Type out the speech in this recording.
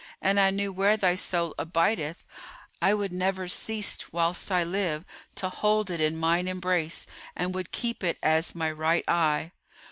An I knew where thy soul abideth, I would never cease whilst I live, to hold it in mine embrace and would keep it as my right eye.